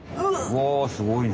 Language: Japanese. おすごいね。